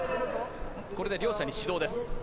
これで両者に指導です。